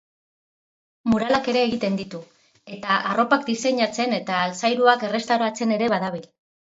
Muralak ere egiten ditu, eta arropak diseinatze eta altzairuak errestauratzen ere badabil.